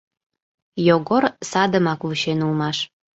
Йогор садымак вучен улмаш.